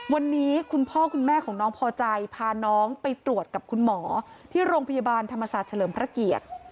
วันนี้คุณพ่อคุณแม่ของน้องพอใจพาน้องไปตรวจกับคุณหมอที่โรงพยาบาลธรรมศาสตร์เฉลิมพระเกียรติ